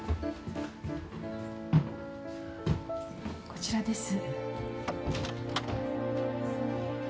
こちらです。